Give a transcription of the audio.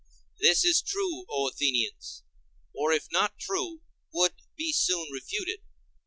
This is true, O Athenians; or, if not true, would be soon refuted.